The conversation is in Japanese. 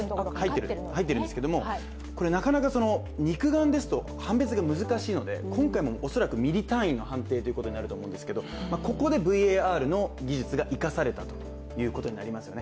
入っているんですけれどもなかなか肉眼ですと判別が難しいので今回も恐らくミリ単位の判定となると思うんですがここでＶＡＲの技術が生かされたことになりますね。